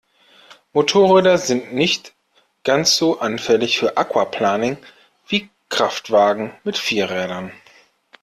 Motorräder sind nicht ganz so anfällig für Aquaplaning wie Kraftwagen mit vier Rädern.